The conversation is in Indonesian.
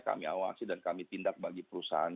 kami awasi dan kami tindak bagi perusahaan